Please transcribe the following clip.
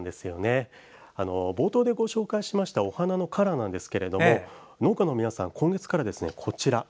冒頭でご紹介しましたお花のカラーなんですが農家の皆さんは今月から、こちら。